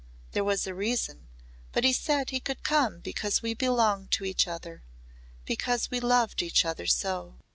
There was a reason. But he said he could come because we belonged to each other because we loved each other so.